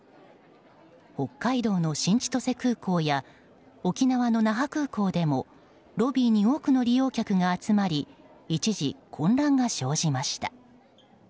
北海道の新千歳空港や沖縄の那覇空港でもロビーに多くの利用客が集まり一時、混乱が生じました。